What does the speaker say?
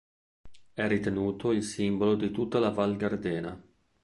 È ritenuto il simbolo di tutta la val Gardena.